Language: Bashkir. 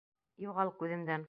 Юғал күҙемдән...